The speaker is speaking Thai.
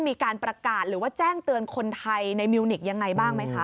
มีการประกาศหรือว่าแจ้งเตือนคนไทยในมิวนิกยังไงบ้างไหมคะ